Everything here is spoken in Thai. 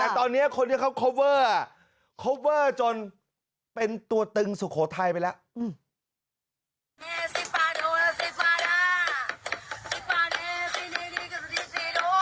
แต่ตอนเนี้ยคนที่เขาจนเป็นตัวตึงสุโขทัยไปแล้วอืม